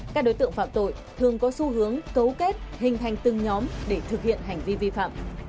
các đối tượng phạm tội thường có xu hướng cấu kết hình thành từng nhóm để thực hiện hành vi vi phạm